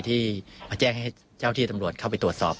ที่มาแจ้งให้เจ้าที่ตำรวจเข้าไปตรวจสอบ